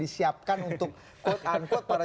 disiapkan untuk quote unquote para